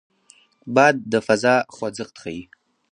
باد د فضا خوځښت ښيي